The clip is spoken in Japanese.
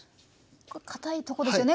これかたいとこですよね